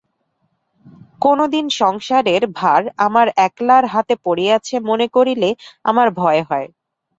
কোনোদিন সংসারের ভার আমার একলার হাতে পড়িয়াছে মনে করিলে আমার ভয় হয়।